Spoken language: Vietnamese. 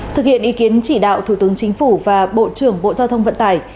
thực hiện ý kiến chỉ đạo thủ tướng chính phủ và bộ trưởng bộ giao thông vận tải